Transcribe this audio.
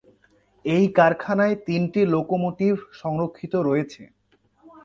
এই কারখানায় তিনটি লোকোমোটিভ সংরক্ষিত রয়েছে।